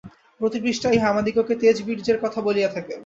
প্রতি পৃষ্ঠা ইহা আমাদিগকে তেজবীর্জের কথা বলিয়া থাকে।